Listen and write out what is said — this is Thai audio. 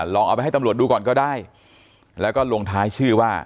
ลองเอาไปให้ตำรวจดูก่อนก็ได้แล้วก็ลงท้ายชื่อว่า